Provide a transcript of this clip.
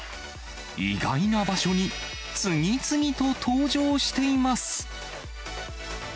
意外な場所に次々と登場しています。